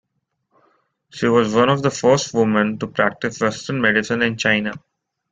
She was one of the first women to practice Western medicine in China.